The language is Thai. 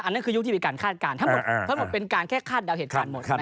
นั่นคือยุคที่มีการคาดการณ์ทั้งหมดเป็นการแค่คาดเดาเหตุการณ์หมด